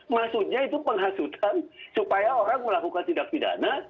maksudnya itu penghasutan supaya orang melakukan tindak pidana